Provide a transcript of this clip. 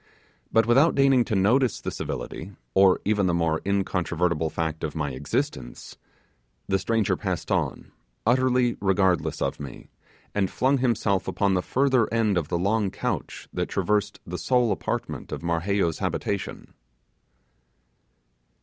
But without deigning to notice the civility, or even the more incontrovertible fact of my existence, the stranger passed on, utterly regardless of me, and flung himself upon the further end of the long couch that traversed the sole apartment of Marheyo's habitation.